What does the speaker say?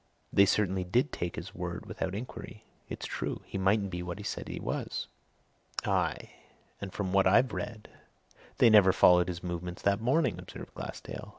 They certainly did take his word without inquiry. It's true he mightn't be what he said he was." "Aye, and from what I read, they never followed his movements that morning!" observed Glassdale.